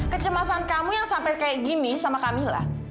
kecemasan kamu yang sampai kayak gini sama kamila